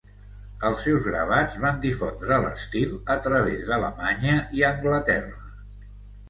Els seus gravats van difondre l'estil a través d'Alemanya i Anglaterra.